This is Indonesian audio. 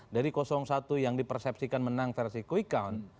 dari satu yang dipersepsikan menang versi quick count